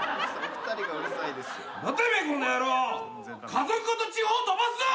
家族ごと地方飛ばすぞ！